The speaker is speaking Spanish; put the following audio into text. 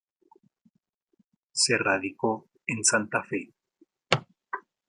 Se radicó en Santa Fe.